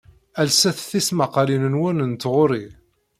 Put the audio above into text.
Lset tismaqqalin-nwen n tɣuri.